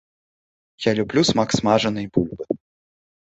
Я люблю смак смажанай бульбы.